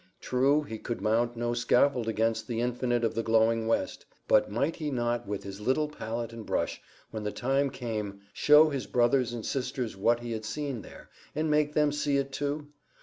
True, he could mount no scaffold against the infinite of the glowing west. But might he not with his little palette and brush, when the time came, show his brothers and sisters what he had seen there, and make them see it too?